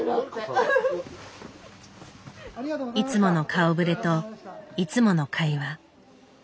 いつもの顔ぶれといつもの会話。